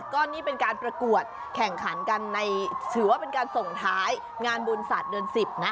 ก็นี่เป็นการประกวดแข่งขันกันในถือว่าเป็นการส่งท้ายงานบุญศาสตร์เดือน๑๐นะ